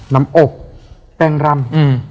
น้ำอบแป้งรำ